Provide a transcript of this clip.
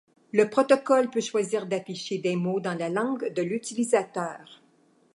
Le protocole peut choisir d'afficher des mots dans la langue de l'utilisateur.